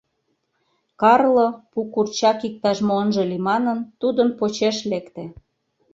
Карло пу курчак иктаж-мо ынже лий манын, тудын почеш лекте.